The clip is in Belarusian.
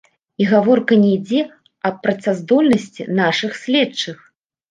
І гаворка не ідзе аб працаздольнасці нашых следчых.